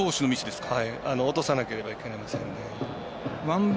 落とさなければいけませんね。